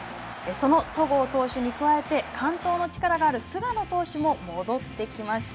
その戸郷投手に加えて完投の力がある菅野投手も戻ってきました。